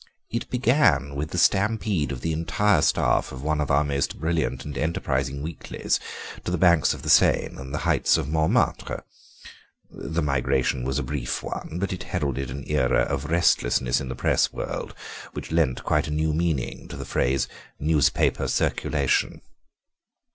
It began with the stampede of the entire staff of one of our most brilliant and enterprising weeklies to the banks of the Seine and the heights of Montmartre. The migration was a brief one, but it heralded an era of restlessness in the Press world which lent quite a new meaning to the phrase 'newspaper circulation.